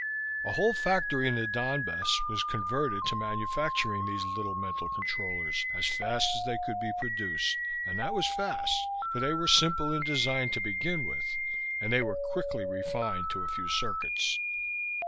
A whole factory in the Donbas was converted to manufacturing these little mental controllers as fast as they could be produced and that was fast, for they were simple in design to begin with and were quickly refined to a few circuits.